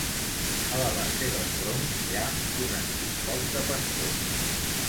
A la base del tronc hi ha un antic foc de pastor.